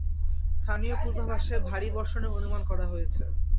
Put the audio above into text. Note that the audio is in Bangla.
স্থানীয় পূর্বাভাসে ভারী বর্ষণের অনুমান করা হয়েছে।